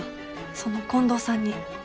その近藤さんに。